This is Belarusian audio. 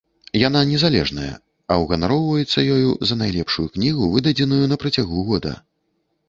Яна незалежная, а ўганароўваюцца ёю за найлепшую кнігу, выдадзеную на працягу года.